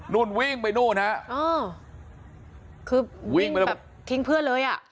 นู่นวิ่งไปนู่นฮะอ๋อคือวิ่งแบบทิ้งเพื่อนเลยอ่ะ